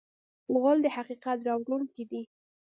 غول د حقیقت راوړونکی دی.